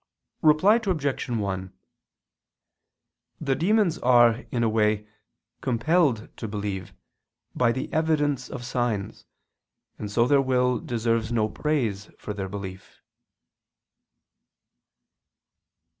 Reply Obj. 1: The demons are, in a way, compelled to believe, by the evidence of signs, and so their will deserves no praise for their belief.